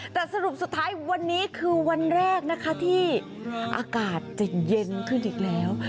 แต่สรุปสุดท้ายวันนี้คือวันแรกนะคะที่อากาศจะเย็นขึ้นอีกแล้ว